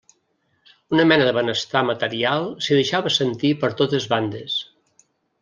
Una mena de benestar material s'hi deixava sentir per totes bandes.